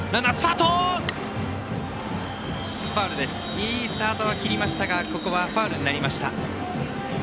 いいスタートは切りましたがここはファウルになりました。